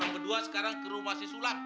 yang berdua sekarang kerumah si sulam